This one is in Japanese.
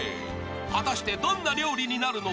［果たしてどんな料理になるのか？］